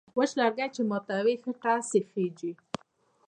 وچ لرگی چې ماتوې، ښه ټس یې خېژي.